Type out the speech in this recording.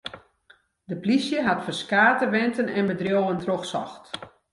De polysje hat ferskate wenten en bedriuwen trochsocht.